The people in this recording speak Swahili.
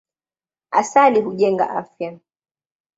Asali hujenga afya.